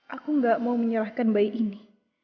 aku gak mau menyerahkan bayi ini